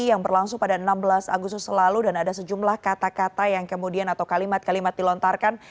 yang berlangsung pada enam belas agustus lalu dan ada sejumlah kata kata yang kemudian atau kalimat kalimat dilontarkan